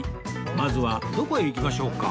まずはどこへ行きましょうか？